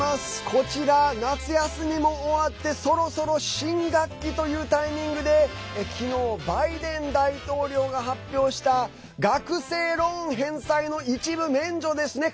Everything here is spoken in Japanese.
こちら、夏休みも終わってそろそろ新学期というタイミングで昨日バイデン大統領が発表した学生ローン返済の一部免除ですね。